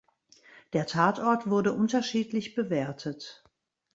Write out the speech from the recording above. Der Tatort wurde unterschiedlich bewertet.